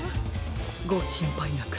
ごしんぱいなく。